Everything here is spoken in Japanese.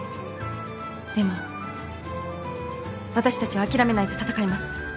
でも私たちは諦めないで闘います。